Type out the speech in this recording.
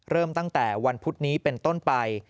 เริ่มตั้งแต่วันพุธนี้เป็นต้นไป